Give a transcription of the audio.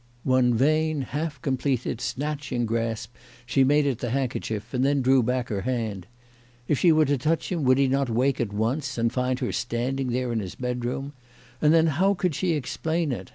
One vain, 218 CHRISTMAS AT THOMPSON HALL. half completed, snatching grasp she made at the hand kerchief, and then drew back her hand. If she were to touch him would he not wake at once, and find her standing there in his bedroom ? And then how could she explain it